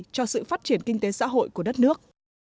cho sự phát triển kinh tế xã hội của đất nước